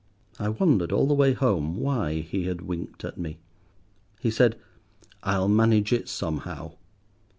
I wondered all the way home why he had winked at me. He said— "I'll manage it somehow."